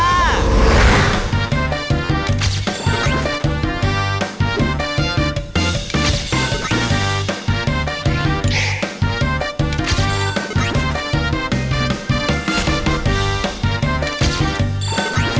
ช่วยให้เพื่อนอักษัยไปรัก